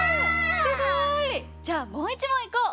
すごい！じゃあもう１もんいこう。